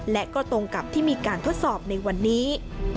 และก็ตรงกับที่มีการทดสอบในวันนี้